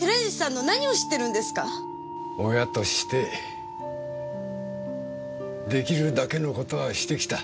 親として出来るだけの事はしてきた。